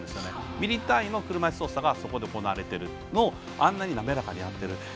ミリ単位の車いす操作が行われているのをあんなに滑らかにやっている。